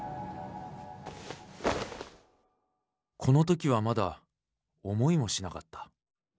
このときはまだ思いもしなかった。